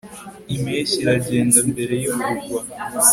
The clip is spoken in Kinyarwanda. impeshyi iragenda mbere yo kugwa